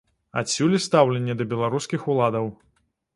Адсюль і стаўленне да беларускіх уладаў.